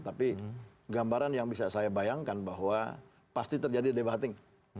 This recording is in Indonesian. tapi gambaran yang bisa saya bayangkan bahwa pasti terjadi debatting